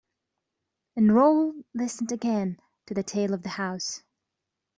And Raoul listened again to the tale of the house.